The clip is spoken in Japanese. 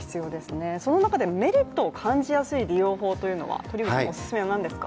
その中でメリットを感じやすい利用法というのは、おすすめは何ですか。